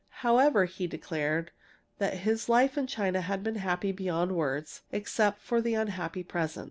However, he declared that his life in China had been happy beyond words, except for the unhappy present.